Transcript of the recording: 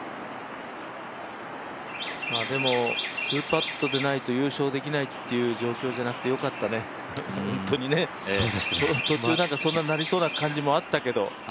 ２パットでないと優勝できないという状況じゃなくてよかったね、本当に途中そんなになりそうな感じもあったけど。